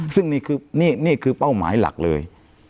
ซึ่งนี่คือเบ้าหมายหลักเลย